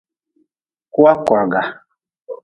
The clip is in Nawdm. Kua korga.